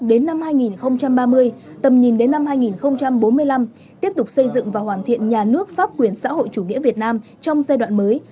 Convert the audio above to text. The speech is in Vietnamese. đến năm hai nghìn ba mươi tầm nhìn đến năm hai nghìn bốn mươi năm tiếp tục xây dựng và hoàn thiện nhà nước pháp quyền xã hội chủ nghĩa việt nam trong giai đoạn mới